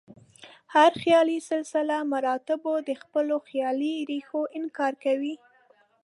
هر خیالي سلسله مراتبو د خپلو خیالي ریښو انکار کوي.